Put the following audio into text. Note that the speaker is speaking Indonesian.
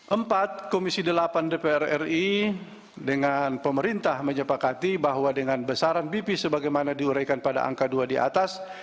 empat komisi delapan dpr ri dengan pemerintah menyepakati bahwa dengan besaran bp sebagaimana diuraikan pada angka dua di atas